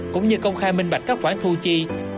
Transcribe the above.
cũng như công khai minh bạch các khoản thu chi